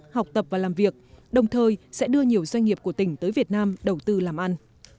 học tập và làm việc đồng thời sẽ đưa nhiều doanh nghiệp của tỉnh tới việt nam đầu tư làm ăn